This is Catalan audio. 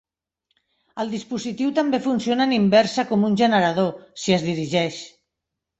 El dispositiu també funciona en inversa com un generador, si es dirigeix.